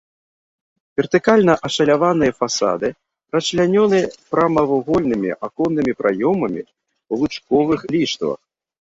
Вертыкальна ашаляваныя фасады расчлянёны прамавугольнымі аконнымі праёмамі ў лучковых ліштвах.